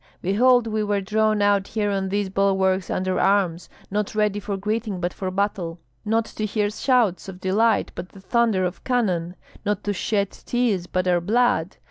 Behold, we were drawn out here on these bulwarks under arms, not ready for greeting, but for battle, not to hear shouts of delight, but the thunder of cannon, not to shed tears, but our blood!